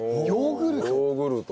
ヨーグルト？